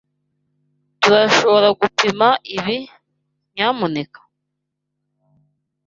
Turashoboragupima ibi, nyamuneka?